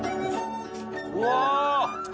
うわ！